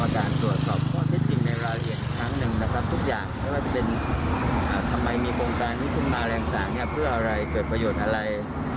ก็จะเป็นทำไมมีโครงการที่ขึ้นมาแรงสารเนี่ยเพื่ออะไรเกิดประโยชน์อะไร